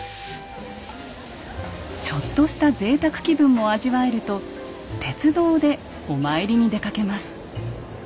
ちょっとした贅沢気分も味わえると鉄道でお参りに出かけます。